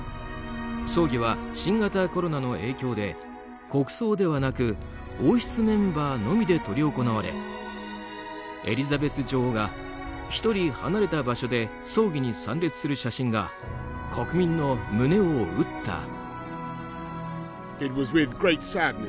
葬儀は新型コロナの影響で国葬ではなく王室メンバーのみで執り行われエリザベス女王が１人、離れた場所で葬儀に参列する写真が国民の胸を打った。